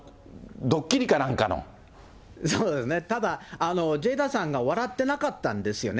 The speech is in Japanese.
そうですね、ただ、ジェイダさんが笑ってなかったんですよね。